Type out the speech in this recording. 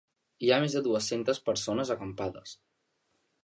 Hi ha més de dues-centes persones acampades